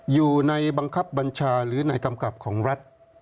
อยู่ในบังคับบัญชาหรือนายกำกับของรัฐ